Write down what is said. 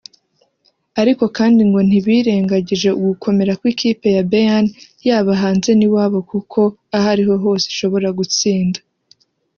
ariko kandi ngo ntibirengagije ugukomera kw’ikipe ya Bayern yaba hanze n’iwayo kuko ahariho hose ishobora gutsinda